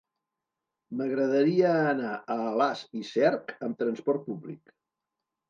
M'agradaria anar a Alàs i Cerc amb trasport públic.